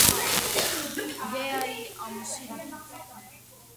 Գեայի ամուսինն է։